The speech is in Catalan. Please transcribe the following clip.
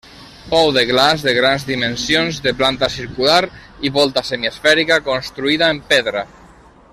Pou de glaç de grans dimensions, de planta circular i volta semiesfèrica construïda en pedra.